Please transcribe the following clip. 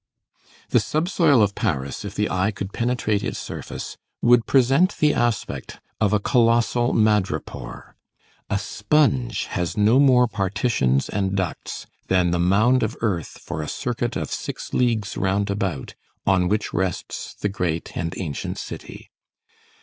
The sub soil of Paris, if the eye could penetrate its surface, would present the aspect of a colossal madrepore. A sponge has no more partitions and ducts than the mound of earth for a circuit of six leagues round about, on which rests the great and ancient city.